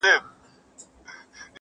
د جهاني دغه غزل دي له نامه ښکلې ده-